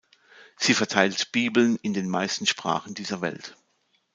Sie verteilt Bibeln in den meisten Sprachen dieser Welt.